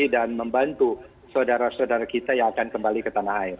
dan membantu saudara saudara kita yang akan kembali ke tanah air